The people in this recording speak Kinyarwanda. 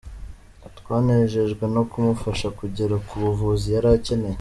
Twanejejwe no kumufasha kugera ku buvuzi yari akeneye”.